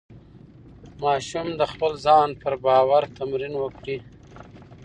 ماشوم د خپل ځان پر باور تمرین وکړي.